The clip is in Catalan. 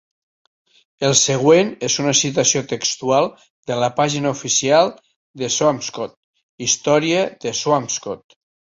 El següent és una citació textual de la pàgina oficial de Swampscott: història de Swampscott.